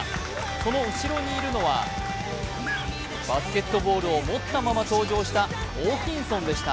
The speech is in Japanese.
その後ろにいるのは、バスケットボールを持ったまま登場したホーキンソンでした。